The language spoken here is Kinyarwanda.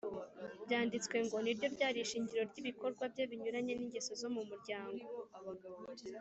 . ‘‘Byanditswe ngo’’ ni ryo ryari ishingiro ry’ibikorwa bye binyuranye n’ingeso zo mu muryango.